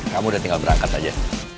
kamu udah tinggal berangkat aja